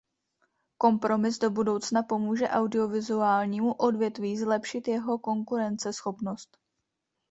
Kompromis do budoucna pomůže audiovizuálnímu odvětví zlepšit jeho konkurenceschopnost.